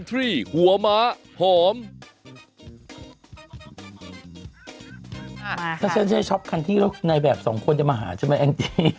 ถ้าเซ็นเซชอปคันที่แล้วก็ในแบบ๒คนจะมาหาใช่ไหมแองจี๊